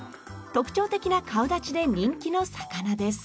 特徴的な顔立ちで人気の魚です。